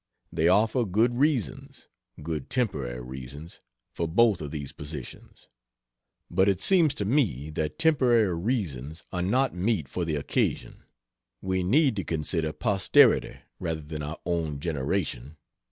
They offer good reasons good temporary reasons for both of these positions. But it seems to me that temporary reasons are not mete for the occasion. We need to consider posterity rather than our own generation.